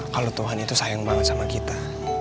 kalau tuhan itu sayang banget sama kita